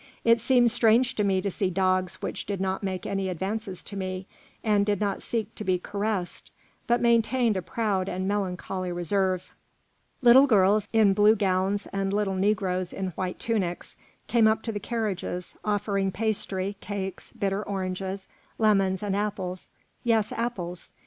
It seemed strange to me to see dogs which did not make any advances to me, and did not seek to be caressed, but maintained a proud and melancholy reserve. Little girls in blue gowns and little negroes in white tunics came up to the carriages, offering pastry, cakes, bitter oranges, lemons, and apples, yes, apples.